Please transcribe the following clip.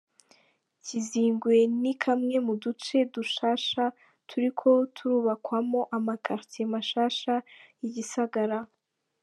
Kizingwe ni kamwe mu duce dushasha turiko twubakwamwo ama quartier mashasha y'igisagara.